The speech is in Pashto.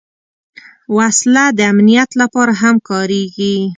وسله د امنیت لپاره هم کارېږي